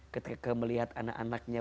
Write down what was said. ketika melihat anak anaknya